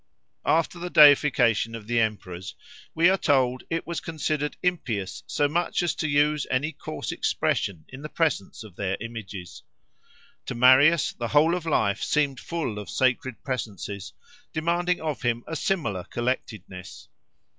After the deification of the emperors, we are told, it was considered impious so much as to use any coarse expression in the presence of their images. To Marius the whole of life seemed full of sacred presences, demanding of him a similar collectedness.